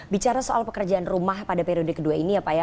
bicara soal pekerjaan rumah pada periode kedua ini ya pak ya